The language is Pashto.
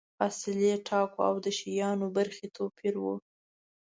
فاصلې ټاکو او د شیانو برخې توپیروو.